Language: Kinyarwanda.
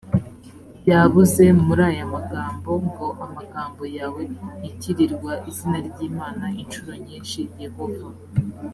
yab uze muri aya magambo ngo amagambo yawe bitirirwa izina ry imana incuro nyinshi yehova